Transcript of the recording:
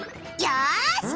よし！